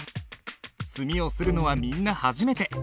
墨を磨るのはみんな初めて。